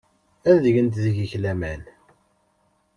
Ad gent deg-k laman.